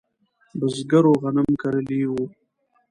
بزګرو غنم کرلی و.